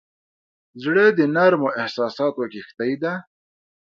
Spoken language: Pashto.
زړه د نرمو احساساتو کښتۍ ده.